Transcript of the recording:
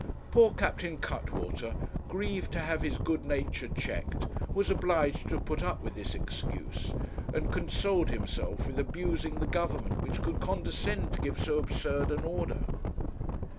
Poor Captain Cuttwater, grieved to have his good nature checked, was obliged to put up with this excuse, and consoled himself with abusing the Government which could condescend to give so absurd an order.